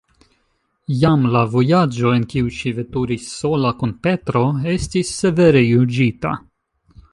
Jam la vojaĝo, en kiu ŝi veturis sola kun Petro, estis severe juĝita.